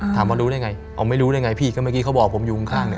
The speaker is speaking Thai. ถามว่ารู้ได้ไงอ๋อไม่รู้ได้ไงพี่ก็เมื่อกี้เขาบอกผมอยู่ข้างเนี่ย